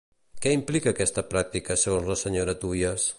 Què implica aquesta pràctica segons la senyora Tuyes?